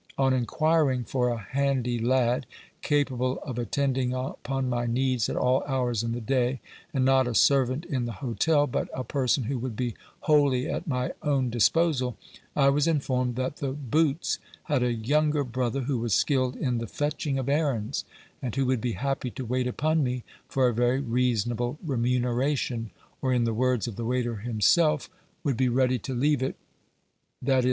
On inquiring for a handy lad, capable of attending upon my needs at all hours in the day, and not a servant in the hotel, but a person who would be wholly at my own disposal, I was informed that the Boots had a younger brother who was skilled in the fetching of errands, and who would be happy to wait upon me for a very reasonable remuneration, or in the words of the waiter himself, would be ready to leave it i.e.